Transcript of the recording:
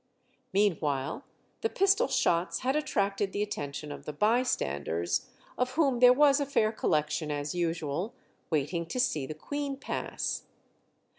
Meanwhile the pistol shots had attracted the attention of the bystanders, of whom there was a fair collection, as usual, waiting to see the Queen pass.